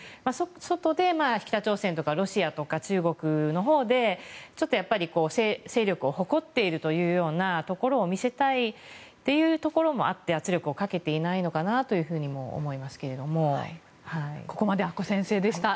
外で北朝鮮とかロシアとか中国のほうでちょっと勢力を誇っているというようなところを見せたいというところもあって圧力をかけていないのかなとここまで阿古先生でした。